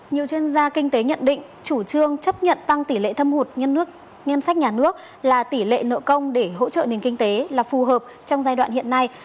nhiều chuyên gia kinh tế nhận định chủ trương chấp nhận tăng tỷ lệ thâm hụt ngân sách nhà nước là tỷ lệ nợ công để hỗ trợ nền kinh tế là phù hợp trong giai đoạn hiện nay